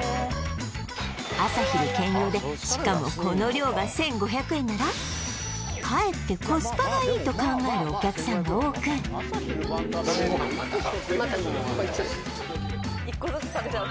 朝昼兼用でしかもこの量が１５００円ならかえってコスパがいいと考えるお客さんが多くまたこれいっちゃう？